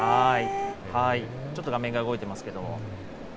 ちょっと画面が動いてますけど。